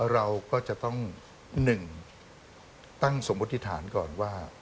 เราก็จะต้อง๑ตั้งสมมุติฐานก่อนว่า